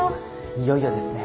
いよいよですね。